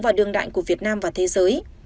và đương đại của việt nam và thế giới